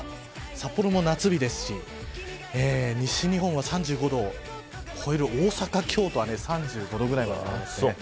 札幌も夏日ですし西日本は３５度を超える大阪、京都は３５度くらいまで。